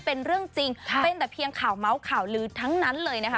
เป็นเรื่องจริงเป็นแต่เพียงข่าวเมาส์ข่าวลือทั้งนั้นเลยนะคะ